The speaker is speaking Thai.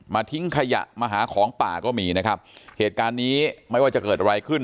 ทิ้งขยะมาหาของป่าก็มีนะครับเหตุการณ์นี้ไม่ว่าจะเกิดอะไรขึ้น